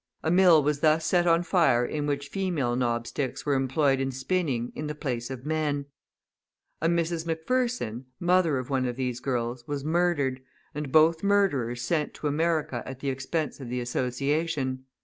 A mill was thus set on fire in which female knobsticks were employed in spinning in the place of men; a Mrs. M'Pherson, mother of one of these girls, was murdered, and both murderers sent to America at the expense of the association.